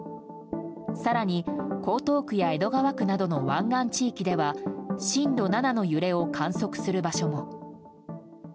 更に、江東区や江戸川区などの湾岸地域では震度７の揺れを観測する場所も。